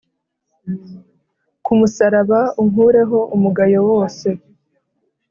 Kumusaraba unkureho umugayo wose